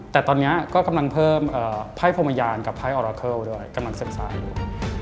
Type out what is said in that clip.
แต่ตอนนี้ก็กำลังเพิ่มไพ่พรมยานกับไพ้อราเคิลด้วยกำลังศึกษาอยู่